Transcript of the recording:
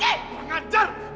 tidak akan pernah